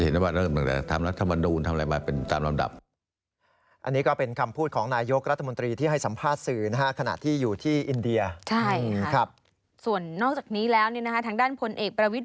ก็ระบุว่าการขยายเวลาบังคับใช้กฎหมายออกไป